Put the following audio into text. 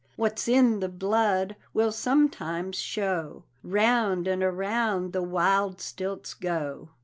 "What's in the blood will sometimes show " 'Round and around the wild stilts go.